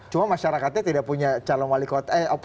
cuma masyarakatnya tidak punya calon wali kota